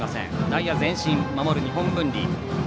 内野前進、守る日本文理。